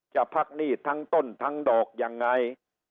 จะพักหนี้ทั้งต้นทั้งดอกยังไง